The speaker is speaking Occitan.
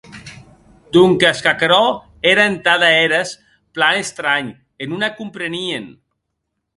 Donques qu’aquerò ère entada eres plan estranh e non ac comprenien.